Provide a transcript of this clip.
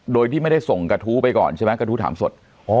โดยที่ไม่ได้ส่งกระทู้ไปก่อนใช่ไหมกระทู้ถามสด